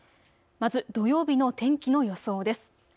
まず土曜日の天気の予想です。